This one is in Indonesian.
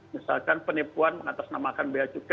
misalkan penipuan mengatasnamakan